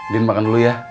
din makan dulu ya